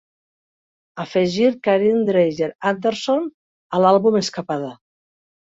afegir Karin Dreijer Andersson a l"àlbum Escapada